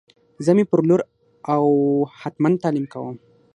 زه می پر لور او هتمن تعلیم کوم